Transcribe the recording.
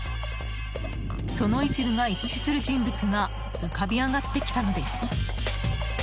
その一部が一致する人物が浮かび上がってきたのです。